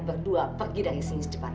berdua pergi dari sini secepat